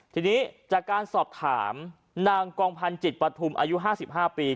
ทีนี้จากการสอบถามนางกองพันธ์จิตปฐุมอายุ๕๕ปี